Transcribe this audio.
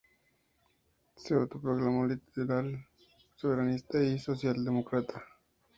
Se autoproclamó liberal, soberanista y socialdemócrata.